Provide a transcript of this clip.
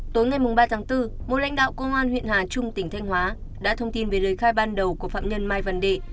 tối ngày ba tháng bốn một lãnh đạo công an huyện hà trung tỉnh thanh hóa đã thông tin về lời khai ban đầu của phạm nhân mai văn đệ